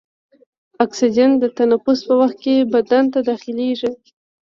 اکسیجن د تنفس په وخت کې بدن ته داخلیږي.